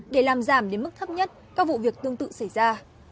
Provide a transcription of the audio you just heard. để làm giảm đến mức thấp nhất các vụ việc tương tự xảy ra